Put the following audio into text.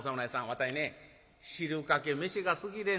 わたいね汁かけ飯が好きでんね。